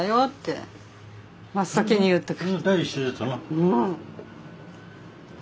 うん。